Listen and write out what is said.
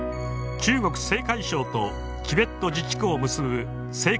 中国・青海省とチベット自治区を結ぶ青海